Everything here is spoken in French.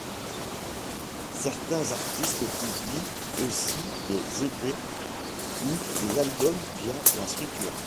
Certains artistes publient aussi des Ep ou des albums via la structure.